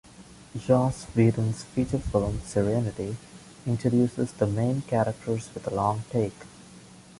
Joss Whedon's feature film "Serenity" introduces the main characters with a long take.